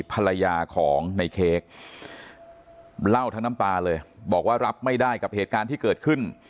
ภรรยาของในเค้กเล่าทั้งน้ำตาเลยบอกว่ารับไม่ได้กับเหตุการณ์ที่เกิดขึ้น